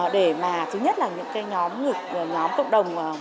để thứ nhất là những nhóm cộng đồng